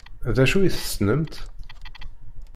D acu i tessnemt?